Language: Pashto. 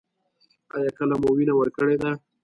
ایا کله مو وینه ورکړې ده؟